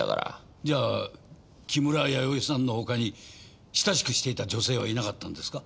じゃあ木村弥生さんの他に親しくしていた女性はいなかったんですか？